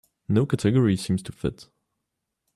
No category seems to fit.